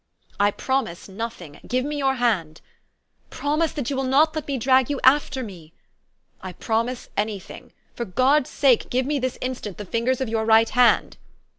" I promise nothing. Give me your hand !"" Promise that you will not let me drag you after me." " I promise any thing. For God's sake, give me, this instant, the fingers of your right hand